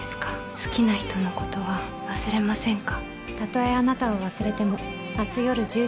好きな人のことは忘れませんか？